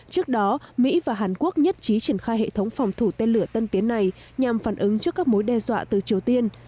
trước đó mỹ và hàn quốc nhất trí triển khai hệ thống phòng thủ tên lửa tân tiến này nhằm phản ứng trước các mối đe dọa từ triều tiên